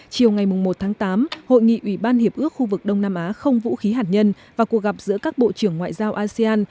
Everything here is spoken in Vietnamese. chiều ngày một tháng tám hội nghị ủy ban hiệp ước khu vực đông nam á không vũ khí hạt nhân và cuộc gặp giữa các bộ trưởng ngoại giao asean